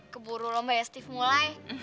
keburu lomba ya steve mulai